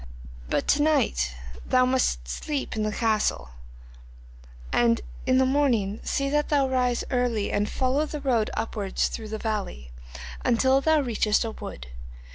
But to night thou must sleep in the this castle, and in the morning see that thou rise early and follow the road upwards through the valley, until thou reachest a wood.